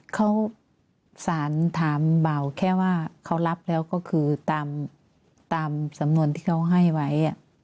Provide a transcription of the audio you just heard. เขาสารถามเบาแค่ว่าเขารับแล้วก็คือตามสำนวนที่เขาให้ไว้